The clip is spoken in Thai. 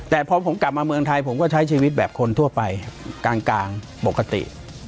แต่พอผมกลับมาเมืองไทยผมก็ใช้ชีวิตแบบคนทั่วไปกลางปกติ